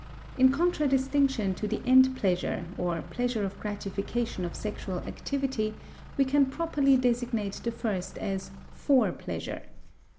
In contradistinction to the end pleasure, or pleasure of gratification of sexual activity, we can properly designate the first as fore pleasure.